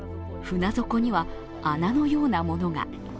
船底には穴のようなものが。